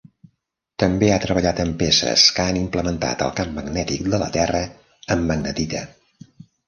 També ha treballat en peces que han implementat el camp magnètic de la Terra amb magnetita.